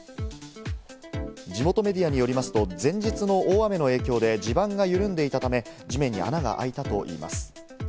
地元メディアによりますと、前日の大雨の影響で地盤が緩んでいたため、地面に穴が開いたといいます。